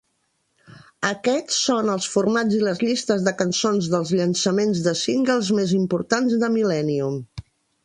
Aquests són els formats i les llistes de cançons dels llançaments de singles més importants de "Millennium".